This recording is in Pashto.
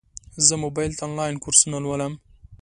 زه موبایل ته انلاین کورسونه لولم.